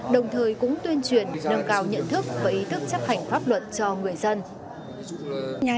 đồng thời cũng tuyên truyền nâng cao nhận thức và ý thức chấp hành pháp luật cho người dân